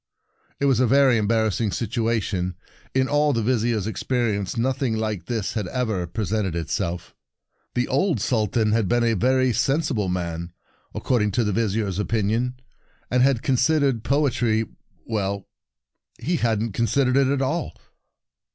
It was a very embarrassing situation. In all the Vizier's experience nothing just like this had ever presented itself. The old Sultan had been a Poetry Threatened 50 The Sultan's A Long very sensible man, according Pause to the Vizier's opinion, and had considered poetry— well, he hadn't considered it at all.